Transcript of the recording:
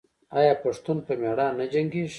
آیا پښتون په میړانه نه جنګیږي؟